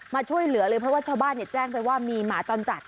มาช่วยเหลือเลยเพราะว่าชาวบ้านแจ้งไปว่ามีหมาจรจัด